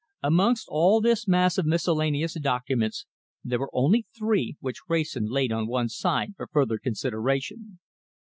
Amongst all this mass of miscellaneous documents there were only three which Wrayson laid on one side for further consideration.